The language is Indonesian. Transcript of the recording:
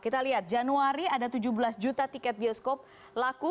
kita lihat januari ada tujuh belas juta tiket bioskop laku